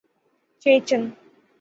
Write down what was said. چیچن